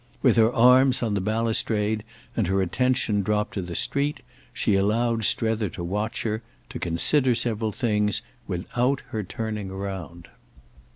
With her arms on the balustrade and her attention dropped to the street she allowed Strether to watch her, to consider several things, without her turning round.